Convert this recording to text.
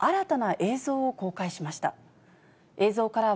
映像からは、